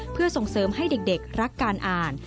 เพื่อส่งเสริมให้เด็กรักการอ่าน